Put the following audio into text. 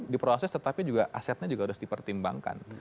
di proses tetapi juga asetnya juga harus dipertimbangkan